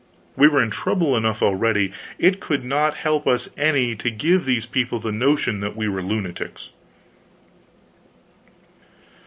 We were in trouble enough already; it could not help us any to give these people the notion that we were lunatics.